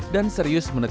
dan serius menerima